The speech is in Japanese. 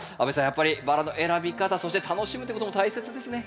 やっぱりバラの選び方そして楽しむっていうことも大切ですね。